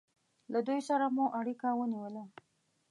له دوی سره مو اړیکه ونیوله.